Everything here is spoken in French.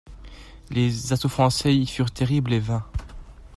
Les assauts français y furent terribles et vains.